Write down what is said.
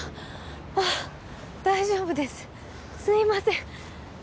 あっ大丈夫ですすいません